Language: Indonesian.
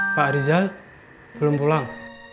pak riza belum pulang